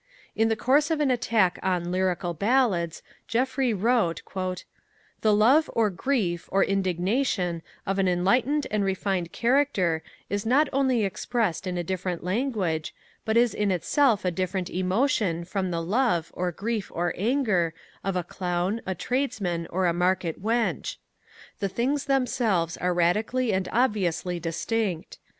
In the course of an attack on Lyrical Ballads Jeffrey wrote: The love, or grief, or indignation, of an enlightened and refined character is not only expressed in a different language, but is in itself a different emotion from the love, or grief, or anger, of a clown, a tradesman, or a market wench. The things themselves are radically and obviously distinct....